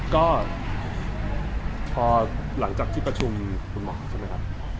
ก็พอหลังจากที่ประชุมคุณหมอใช่ไหมครับ